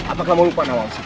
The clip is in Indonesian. apakah kamu lupa nawangsi